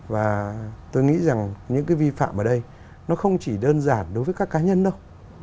và tôi nghĩ rằng những cái vi phạm ở đây nó không chỉ đơn giản đối với các cá nhân đâu